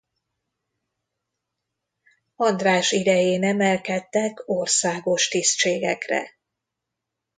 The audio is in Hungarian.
András idején emelkedtek országos tisztségekre.